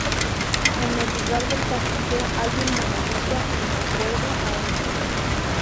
En el lugar del castillo hay un monolito en recuerdo a estos.